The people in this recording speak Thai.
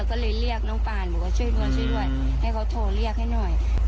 ก็เลยเลียกน้องปาให้ด้วยช่วยด้วยให้เขาโทรเลียกให้หน่อย